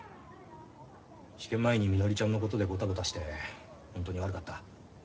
試験前にみのりちゃんのことでゴタゴタしてホントに悪かった。